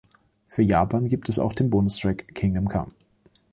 Für Japan gab es auch den Bonustrack „Kingdom Come“.